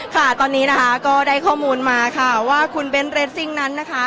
ค่ะตอนนี้นะคะก็ได้ข้อมูลมาค่ะว่าคุณเบ้นเรสซิ่งนั้นนะคะ